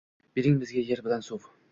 «Bering bizga yer bilan suv